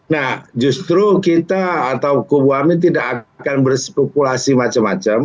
nah justru kita atau kubu amin tidak akan berspekulasi macam macam